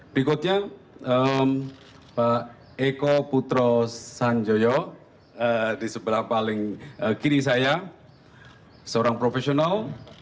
berikutnya pak eko putro sanjoyo di sebelah paling kiri saya seorang profesional